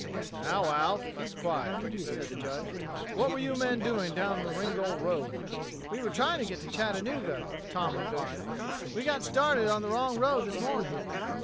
"Now, Alf, keep quiet," said the Judge. "What were you men doing down the Ringgold road?" "We were trying to get to Chattanooga," Tom replied, "We got started on the wrong road this morning."